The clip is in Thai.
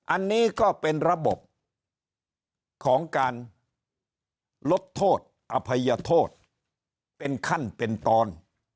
อันนี้ก็เป็นระบบของการลดโทษอภัยโทษเป็นขั้นเป็นตอน